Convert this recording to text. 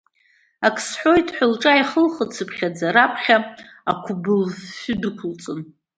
Акы сҳәоит ҳәа лҿы ааихылхцыԥхьаӡа, раԥхьа ақәбылфҩы дәықәылҵон.